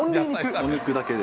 お肉だけで。